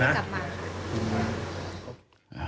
ไม่ไม่ได้กลับมา